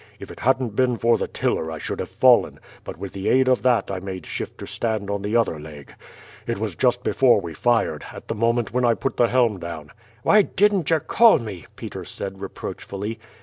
"If it hadn't been for the tiller I should have fallen, but with the aid of that I made shift to stand on the other leg. It was just before we fired, at the moment when I put the helm down." "Why didn't you call me?" Peters said reproachfully.